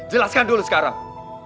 jelaskan dulu sekarang